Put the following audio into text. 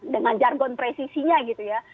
dengan jargon presisinya gitu ya